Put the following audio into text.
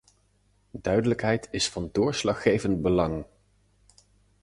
Duidelijkheid is van doorslaggevend belang.